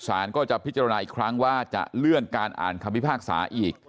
สารก็จะพิจารณาอีกครั้งว่าจะเลื่อนการอ่านคำพิพากษาอีก